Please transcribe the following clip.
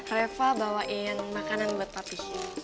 reva bawain makanan buat partisi